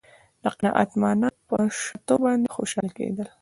د قناعت معنا په شتو باندې خوشاله کېدل.